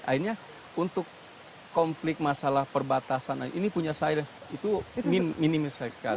akhirnya untuk konflik masalah perbatasan ini punya saya itu minim sekali